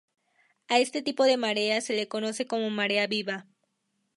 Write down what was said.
A este tipo de marea se le conoce como marea viva.